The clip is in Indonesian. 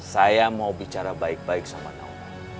saya mau bicara baik baik sama naungan